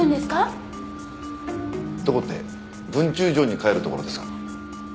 どこって分駐所に帰るところですが。